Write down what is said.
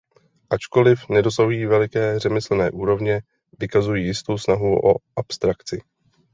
Ačkoliv nedosahují veliké řemeslné úrovně vykazují jistou snahu o abstrakci.